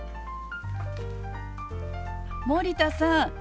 森田さん